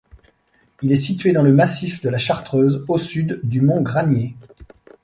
Il est situé dans le massif de la Chartreuse au sud du mont Granier.